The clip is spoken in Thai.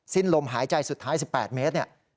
สิ้นลมหายใจสุดท้าย๑๘เมตรเนี่ย